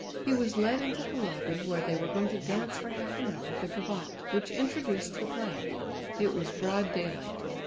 He was led into the lobby where they were going to dance for half an hour the gavotte, which introduced the play. It was broad daylight.